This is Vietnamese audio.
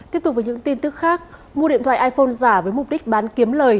tiếp tục với những tin tức khác mua điện thoại iphone giả với mục đích bán kiếm lời